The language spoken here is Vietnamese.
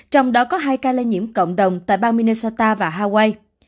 trong đó có hai ca lây nhiễm cộng đồng tại bang minusta và hawaii